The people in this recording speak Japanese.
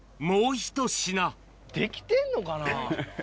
出来てんのかな？